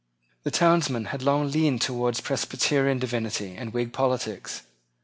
The townsmen had long leaned towards Presbyterian divinity and Whig politics.